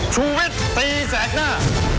ชูวิทย์ตีแสกหน้า